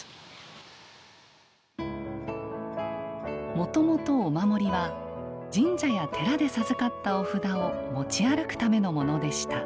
もともとお守りは神社や寺で授かったお札を持ち歩くためのものでした。